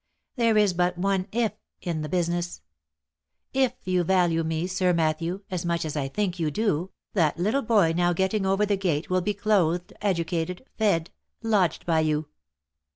There is but one if in the business. If you value me, Sir Matthew, as much as I think you do, that little boy now getting over the gate will be clothed, educated, fed, lodged by you.